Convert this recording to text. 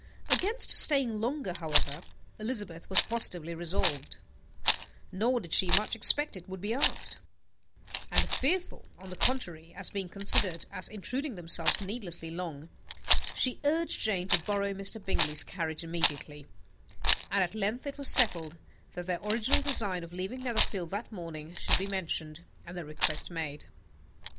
Against staying longer, however, Elizabeth was positively resolved nor did she much expect it would be asked; and fearful, on the contrary, of being considered as intruding themselves needlessly long, she urged Jane to borrow Mr. Bingley's carriage immediately, and at length it was settled that their original design of leaving Netherfield that morning should be mentioned, and the request made.